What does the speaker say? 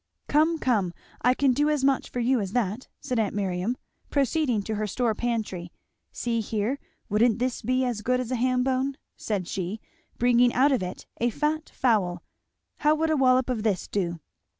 "Come, come, I can do as much for you as that," said aunt Miriam, proceeding to her store pantry, "see here wouldn't this be as good as a ham bone?" said she, bringing out of it a fat fowl; "how would a wallop of this do?"